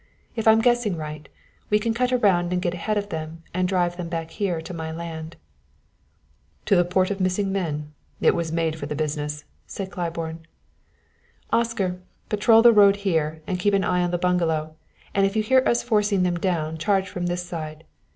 If I'm guessing right, we can cut around and get ahead of them and drive them back here to my land." "To the Port of Missing Men! It was made for the business," said Claiborne. "Oscar, patrol the road here, and keep an eye on the bungalow, and if you hear us forcing them down, charge from this side.